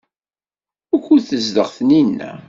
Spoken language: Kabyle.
Wukud tezdeɣ Taninna?